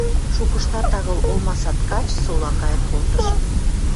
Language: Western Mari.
Шукыштат агыл олма сад гач сола кайын колтыш.